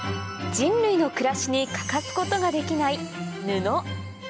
人類の暮らしに欠かすことができない